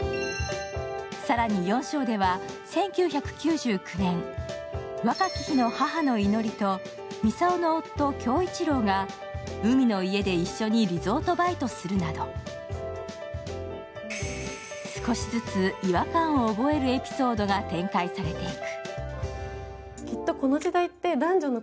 更に４章では、１９９９年若き日の母のいのりと操の夫・杏一郎が海の家で一緒にリゾートバイトするなど、少しずつ違和感を覚えるエピソードが展開されていく。